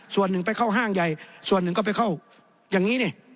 ส่วนหนึ่งไปเข้าห้างใหญ่ส่วนหนึ่งก็ไปเข้าอย่างนี้นี่